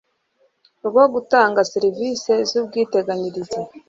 rwo gutanga serivisi z ubwiteganyirize